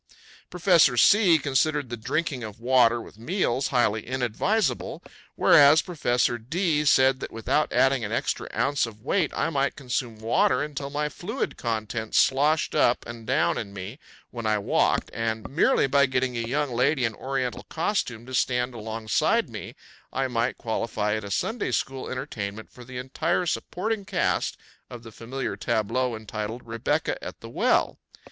Professor C considered the drinking of water with meals highly inadvisable; whereas Professor D said that without adding an extra ounce of weight I might consume water until my fluid contents sloshed up and down in me when I walked, and merely by getting a young lady in Oriental costume to stand alongside me I might qualify at a Sunday school entertainment for the entire supporting cast of the familiar tableau entitled Rebecca at the Well.